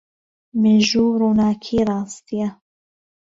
مێژوو ڕووناکیی ڕاستییە.